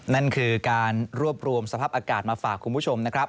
นั่นคือการรวบรวมสภาพอากาศมาฝากคุณผู้ชมนะครับ